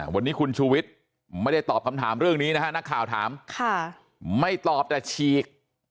วันนี้คุณชูวิทย์ไม่ได้ตอบคำถามเรื่องนี้นะฮะนักข่าวถามไม่ตอบแต่ฉีก